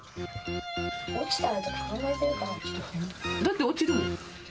落ちたらとか考えてるから落だって落ちるもん。